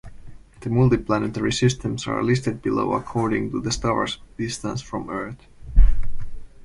The multiplanetary systems are listed below according to the star's distance from Earth.